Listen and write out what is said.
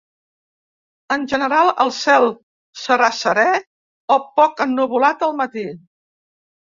En general el cel serà serè o poc ennuvolat al matí.